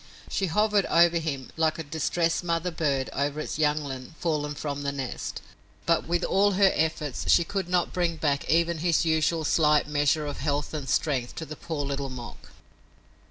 She hovered over him like a distressed mother bird over its youngling fallen from the nest, but, with all her efforts, she could not bring back even his usual slight measure of health and strength to the poor Little Mok.